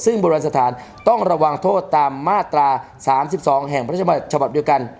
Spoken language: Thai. ซึ่งบรรวัติสถานต้องระวังโทษตามมาตรา๓๒แห่งประชาบัติฉบัติเดียวกัน